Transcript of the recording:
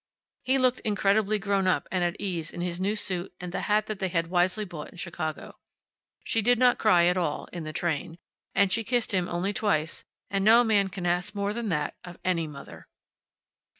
He looked incredibly grown up and at ease in his new suit and the hat that they had wisely bought in Chicago. She did not cry at all (in the train), and she kissed him only twice, and no man can ask more than that of any mother.